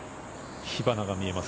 火花が見えます